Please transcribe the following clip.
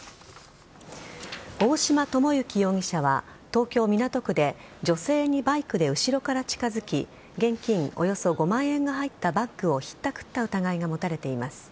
大島智幸容疑者は東京・港区で女性にバイクで後ろから近づき現金およそ５万円が入ったバッグをひったくった疑いが持たれています。